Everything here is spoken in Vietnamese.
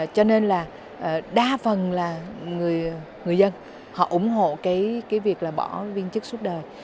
cho nên là đa phần là người dân họ ủng hộ cái việc là bỏ viên chức suốt đời